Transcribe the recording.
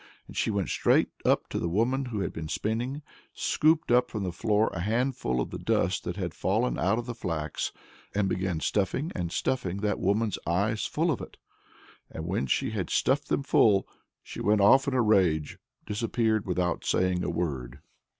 And she went straight up to the woman who had been spinning, scooped up from the floor a handful of the dust that had fallen out of the flax, and began stuffing and stuffing that woman's eyes full of it! And when she had stuffed them full, she went off in a rage disappeared without saying a word.